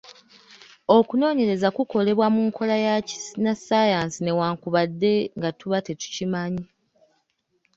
Okunoonyereza kukolebwa mu nkola ya Kinnassaayansi newankubadde nga tuba tetukimanyi.